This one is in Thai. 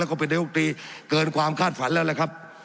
แล้วก็เป็นนายกตรีเกินความคาดฝันแล้วแหละครับ